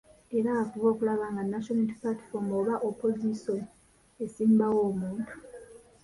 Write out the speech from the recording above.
Era bafube okulaba nga National Unity Platform oba Opozisoni esimbawo omuntu.